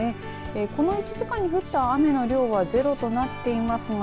この１時間に降った雨の量はゼロとなっています。